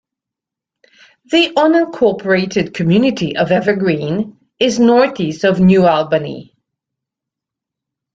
The unincorporated community of Evergreen is northeast of New Albany.